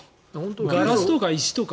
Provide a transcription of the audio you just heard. ガラスとか石とか。